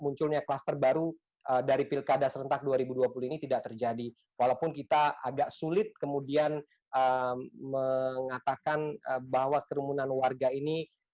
munculnya kluster baru dari pilkada serentak dua ribu dua puluh ini tidak terjadi walaupun kita agak sulit kemudian mengatakan bahwa kerumunan warga ini